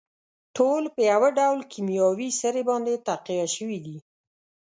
ټول په يوه ډول کيمياوي سرې باندې تقويه شوي دي.